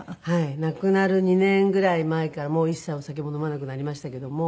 亡くなる２年ぐらい前から一切お酒も飲まなくなりましたけども。